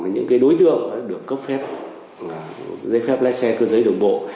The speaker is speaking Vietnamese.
những cái đối tượng được cấp phép dây phép lái xe cơ giới đường bộ